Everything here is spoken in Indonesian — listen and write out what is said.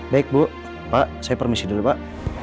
baik bu pak saya permisi dulu pak